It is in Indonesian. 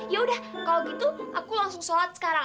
ya udah kalau gitu aku langsung sholat sekarang